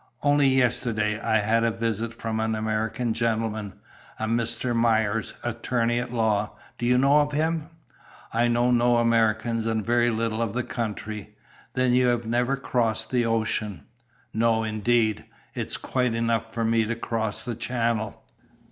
"Only yesterday I had a visit from an American gentleman, a Mr. Myers, attorney at law. Do you know of him?" "I know no Americans, and very little of the country." "Then you have never crossed the ocean?" "No, indeed! It's quite enough for me to cross the channel."